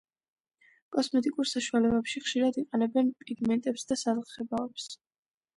კოსმეტიკურ საშუალებებში ხშირად იყენებენ პიგმენტებს და საღებავებს.